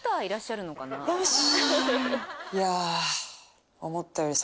よし。